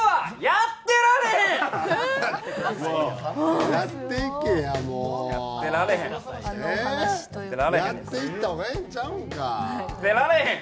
やってられへん！